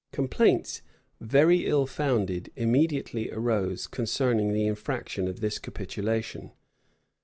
Complaints, very ill founded, immediately arose concerning the infraction of this capitulation.